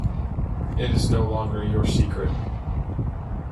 It is no longer your secret.